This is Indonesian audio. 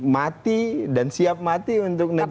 mati dan siap mati untuk negeri